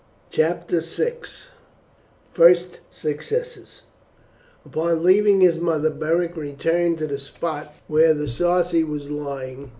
CHAPTER VI: FIRST SUCCESSES Upon leaving his mother, Beric returned to the spot where the Sarci were lying.